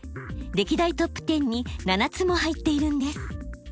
歴代トップ１０に７つも入っているんです。